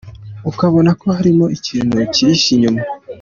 Ukabona ko harimo ikintu cyihishe inyuma.